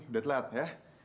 udah telat ya